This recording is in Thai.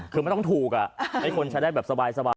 คือไม่ต้องถูกให้คนใช้ได้แบบสบาย